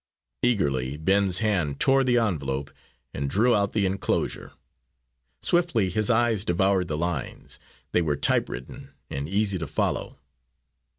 Eagerly Ben's hand tore the envelope and drew out the enclosure. Swiftly his eyes devoured the lines; they were typewritten and easy to follow.